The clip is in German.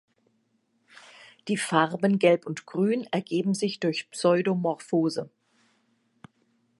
Die Farben gelb und grün ergeben sich durch Pseudomorphose.